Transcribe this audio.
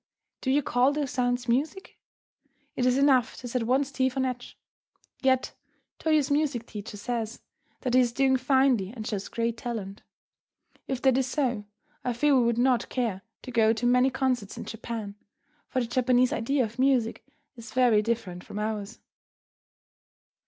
Do you call those sounds music? It is enough to set one's teeth on edge. Yet Toyo's music teacher says that he is doing finely and shows great talent. If that is so, I fear we would not care to go to many concerts in Japan, for the Japanese idea of music is very different from ours.